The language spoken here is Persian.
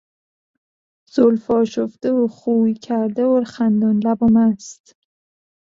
زلفآشفته و خویکرده و خندانلب و مست